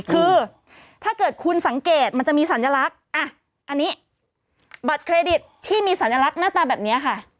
คือถ้าเกิดคุณสังเกตมันจะมีสัญลักษณ์อันนี้บัตรเครดิตที่มีสัญลักษณ์หน้าตาแบบนี้ค่ะ